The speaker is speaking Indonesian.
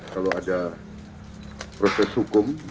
kalau ada proses hukum